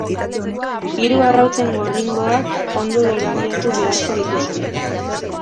Hiru arrautzen gorringoak ondo irabiatu beharko dituzu.